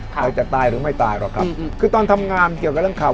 เราจะตายหรือไม่ตายหรอกครับคือตอนทำงานเกี่ยวกับเรื่องข่าว